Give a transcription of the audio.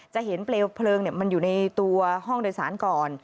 จะเห็นเปลวเพลิงมันอยู่ในตัวห้องโดยสารก่อน